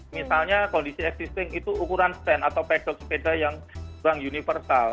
misalnya kondisi existing itu ukuran stand atau packdow sepeda yang kurang universal